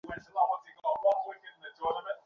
আমি দরিদ্র, তোমার কাছে ভিক্ষা চাহিতে আসিয়াছি।